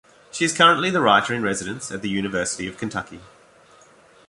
She is currently the writer in residence at the University of Kentucky.